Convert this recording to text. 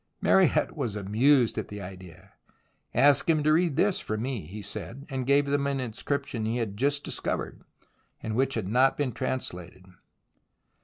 Mariette was amused at the idea. " Ask him to read this for me," he said, and gave them an in scription he had just discovered and which had not been translated.